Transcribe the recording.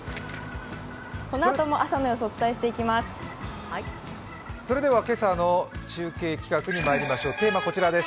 このあとも朝の様子をお伝えしていきます。